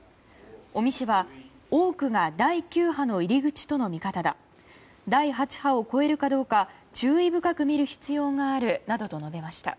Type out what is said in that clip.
尾身氏は多くが第９波の入り口の見方だ第８波を超えるかどうか注意深く見る必要があるなどと述べました。